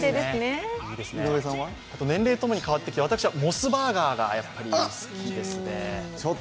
年齢とともに変わってきて、私はモスバーガーがやっぱり好きですね。